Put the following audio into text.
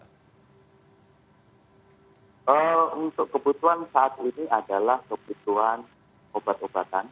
untuk kebutuhan saat ini adalah kebutuhan obat obatan